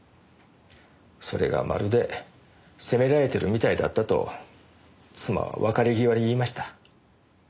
それがまるで責められてるみたいだったと妻は別れ際言いました。